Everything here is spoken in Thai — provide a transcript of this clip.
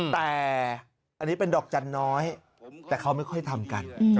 แต่อันนี้เป็นดอกจันทร์น้อยแต่เขาไม่ค่อยทำกัน